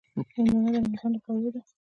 هندوانه د رمضان له خوړو ده.